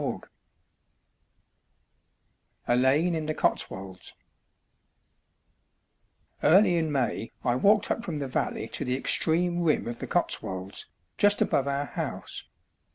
IV A LANE IN THE COTSWOLDS Early in May I walked up from the valley to the extreme rim of the Cotswolds, just above our house.